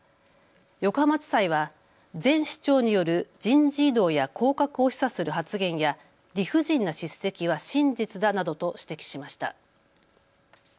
横浜地裁は前市長による人事異動や降格を示唆する発言や理不尽な叱責は真実だなどと指摘しました。